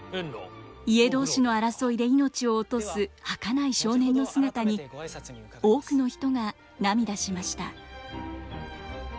家同士の争いで命を落とすはかない少年の姿に多くの人が涙しました。